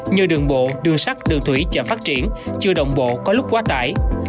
như đường bộ đường sắt đường thủy chậm phát triển chưa đồng bộ có lúc quá tải